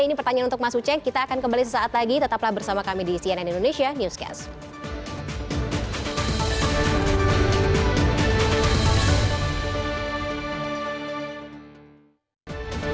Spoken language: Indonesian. ini pertanyaan untuk mas uceng kita akan kembali sesaat lagi tetaplah bersama kami di cnn indonesia newscast